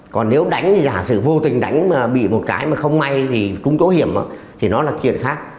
còn nếu đánh giả sử vô tình đánh mà bị một cái mà không may thì cũng tổ hiểm á thì nó là chuyện khác